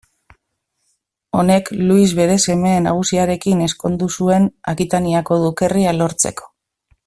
Honek Luis bere seme nagusiarekin ezkondu zuen Akitaniako dukerria lortzeko.